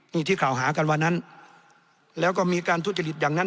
นี่ที่กล่าวหากันวันนั้นแล้วก็มีการทุจริตอย่างนั้น